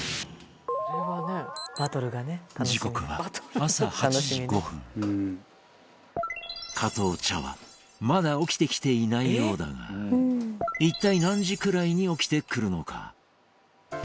時刻は加藤茶はまだ起きてきていないようだが一体何時くらいに起きてくるのか？